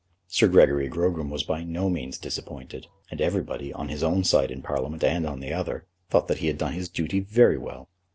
Sir Gregory Grogram was by no means disappointed, and everybody, on his own side in Parliament and on the other, thought that he had done his duty very well.